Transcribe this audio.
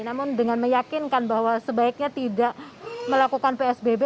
namun dengan meyakinkan bahwa sebaiknya tidak melakukan psbb